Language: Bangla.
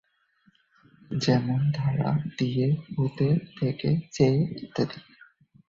যেমন: -দ্বারা, -দিয়ে, -হতে, -থেকে, -চেয়ে ইত্যাদি।